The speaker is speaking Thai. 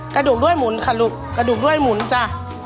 กระดูกด้วยหมุนค่ะลูกกระดูกด้วยหมุนจ้ะ